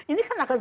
ini kan akan semua